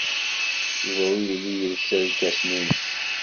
Yuba ur yelli yelsa irkasen-nnes.